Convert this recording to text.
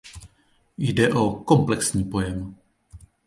Jde o komplexní pojem.